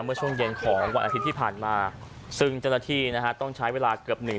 เมื่อช่วงเย็นของวันอาทิตย์ที่ผ่านมาซึ่งเจ้าหน้าที่นะฮะต้องใช้เวลาเกือบหนึ่ง